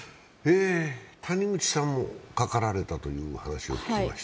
谷口さんもかかられたという話を聞きました。